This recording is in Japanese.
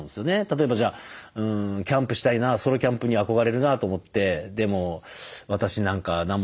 例えばじゃあキャンプしたいなソロキャンプに憧れるなと思って「でも私なんか何も知らないから」